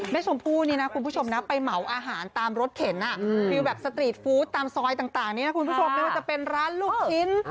รถเข็นนั้นอาระยุทธ์ด้วยตามซอยต่างนี้คุณผู้ชมทรงจะเป็นร้านลูกชิ้น